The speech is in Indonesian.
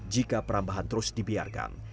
jika perambahan terus dibiarkan